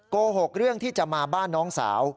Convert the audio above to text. โกหกเรื่องที่จะมาบ้านน้องสาว